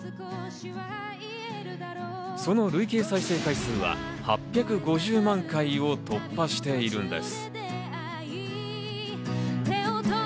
その累計再生回数は８５０万回を突破しているんです。